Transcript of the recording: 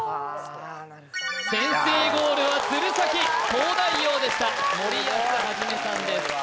先制ゴールは鶴崎東大王でした森保一さんです